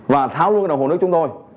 và tháo luôn cái đồng hồ nước chúng tôi